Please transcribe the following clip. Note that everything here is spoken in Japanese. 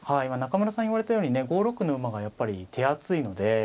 今中村さんが言われたようにね５六の馬がやっぱり手厚いので。